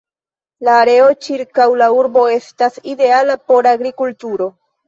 La areo ĉirkaŭ la urbo estas ideala por agrikulturo.